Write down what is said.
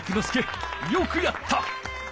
介よくやった！